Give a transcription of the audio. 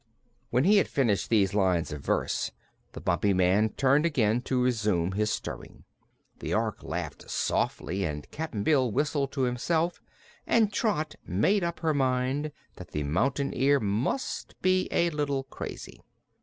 When he had finished these lines of verse the Bumpy Man turned again to resume his stirring. The Ork laughed softly and Cap'n Bill whistled to himself and Trot made up her mind that the Mountain Ear must be a little crazy.